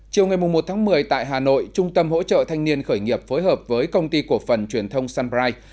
chiều ngày một một mươi tại hà nội trung tâm hỗ trợ thanh niên khởi nghiệp phối hợp với công ty của phần truyền thông sunbride